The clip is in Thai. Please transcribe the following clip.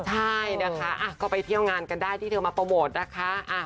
ใช่นะคะก็ไปเที่ยวงานกันได้ที่เธอมาโปรโมทนะคะ